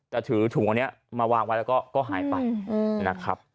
แต่ถือถุงอันนี้มาวางไว้แล้วก็หายไปนะครับ